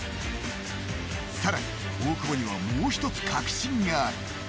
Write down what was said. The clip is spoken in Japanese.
さらに大久保にはもう一つ確信がある。